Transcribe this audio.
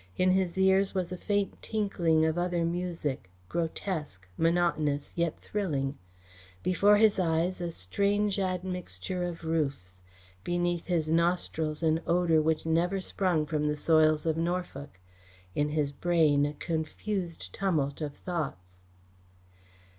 In his ears was a faint tinkling of other music, grotesque, monotonous, yet thrilling; before his eyes a strange admixture of roofs; beneath his nostrils an odour which never sprung from the soils of Norfolk; in his brain a confused tumult of thoughts.